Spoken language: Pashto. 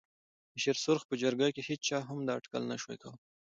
د شېر سرخ په جرګه کې هېچا هم دا اټکل نه شوای کولای.